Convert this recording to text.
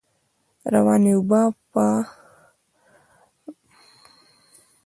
روانې اوبه په په شیلو، ژورو، خوړو او پټیو کې ذخیره کړی.